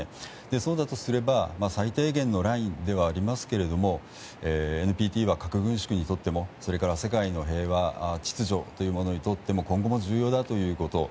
そうだとすれば最低限のラインではありますけどＮＰＴは核軍縮にとってもそれから世界の平和秩序というものにとっても今後も重要だということ。